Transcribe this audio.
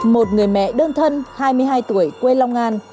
một người mẹ đơn thân hai mươi hai tuổi quê long an